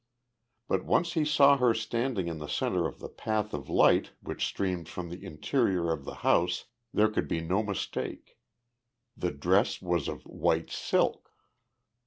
But once he saw her standing in the center of the path of light which streamed from the interior of the house there could be no mistake. The dress was of white silk!